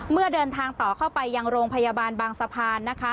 เมื่อเดินทางต่อเข้าไปยังโรงพยาบาลบางสะพาน